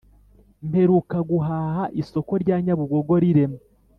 Mperuka guhaha isoko rya nyabugogo rirema